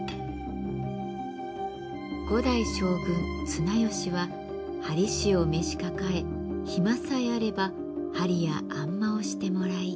５代将軍綱吉は鍼師を召し抱え暇さえあれば鍼やあん摩をしてもらい。